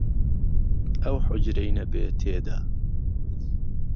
ئهو حوجرەی نهبێ تێدا